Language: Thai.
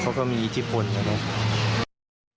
เขาก็มีอิจภุณอย่างนี้